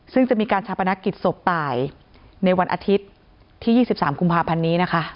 ซึ่งจะมีการชาปนกิจศพตายในวันอาทิตย์ที่๒๓กุมภาพันธ์นี้นะคะ